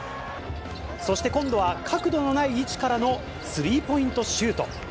そして今度は角度のない位置からのスリーポイントシュート。